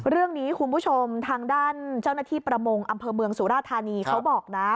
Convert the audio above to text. คุณผู้ชมทางด้านเจ้าหน้าที่ประมงอำเภอเมืองสุราธานีเขาบอกนะ